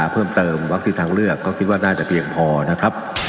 เป็นบริษัทที่รับจ้างผลิต